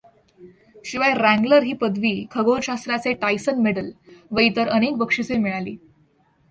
शिवाय, रँग्लर ही पदवी, खगोलशास्त्राचे टायसन मेडल व इतर अनेक बक्षिसे मिळाली.